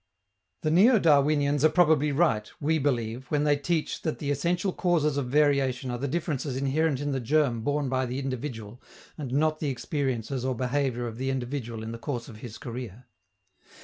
The neo Darwinians are probably right, we believe, when they teach that the essential causes of variation are the differences inherent in the germ borne by the individual, and not the experiences or behavior of the individual in the course of his career.